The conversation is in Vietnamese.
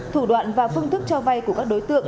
thủ đoạn và phương thức cho vay của các đối tượng